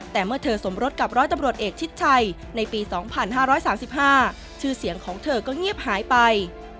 แต่เมื่อเธอสมรสกับร้อยตำรวจเอกชิดชัยในปี๒๕๓๕ชื่อเสียงของเธอก็เงียบหายไป